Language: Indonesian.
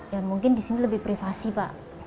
ya mungkin di sini lebih privasi pak